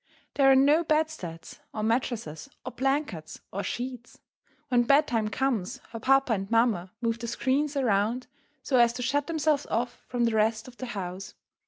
There are no bedsteads, or mattresses, or blankets, or sheets. When bedtime comes, her papa and mamma move the screens around so as to shut themselves off from the rest of the house.